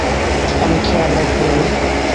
আমি খেয়াল রাখব, ভাই।